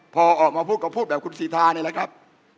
พอออกมาพูดก็พูดแบบคุณสีทานี่แหละครับ